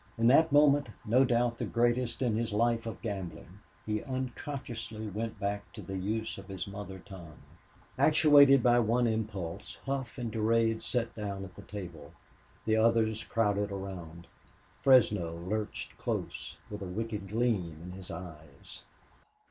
In that moment, no doubt the greatest in his life of gambling, he unconsciously went back to the use of his mother tongue. Actuated by one impulse, Hough and Durade sat down at the table. The others crowded around. Fresno lurched close, with a wicked gleam in his eyes.